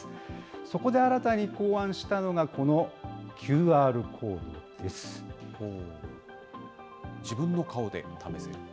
そこで新たに考案したのが、この自分の顔で試せる？